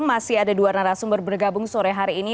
masih ada dua narasumber bergabung sore hari ini